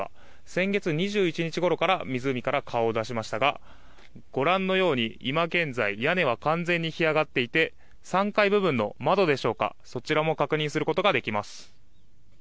先月２１日ごろから湖から顔を出しましたがご覧のように、今現在屋根は完全に干上がっていて３階部分の窓でしょうかそちらも確認することができます。